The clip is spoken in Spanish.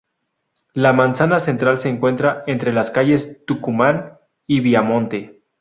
La manzana central se encuentra entre las calles Tucumán y Viamonte.